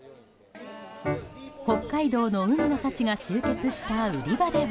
北海道の海の幸が集結した売り場では。